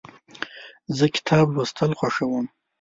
زه کتاب لوستل خوښوم.